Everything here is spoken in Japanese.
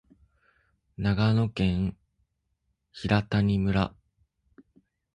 長野県平谷村